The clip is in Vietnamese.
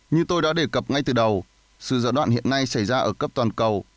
như tôi đã đề cập ngay từ đầu sự dỡ đoạn hiện nay xảy ra ở cấp toàn cầu